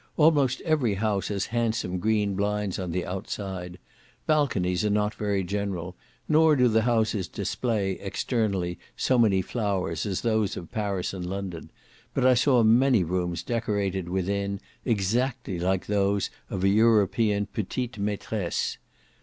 Almost every house has handsome green blinds on the outside; balconies are not very general, nor do the houses display, externally, so many flowers as those of Paris and London; but I saw many rooms decorated within, exactly like those of an European petite maitresse.